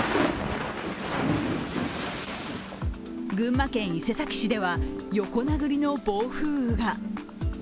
群馬県伊勢崎市では横殴りの暴風雨が。